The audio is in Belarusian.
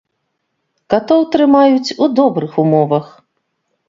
Катоў трымаюць у добрых умовах.